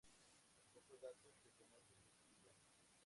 Pocos datos se conocen de su vida.